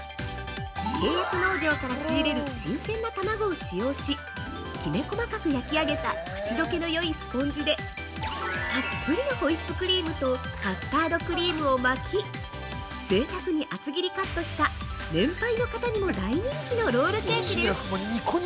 契約農場から仕入れる新鮮な卵を使用し、きめ細かく焼き上げた口どけのよいスポンジでたっぷりのホイップクリームとカスタードクリームを巻きぜいたくに厚切りカットした年配の方にも大人気のロールケーキです。